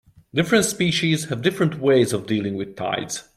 Different species have different ways of dealing with tides.